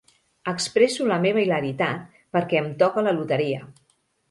Expresso la meva hilaritat perquè em toca la loteria.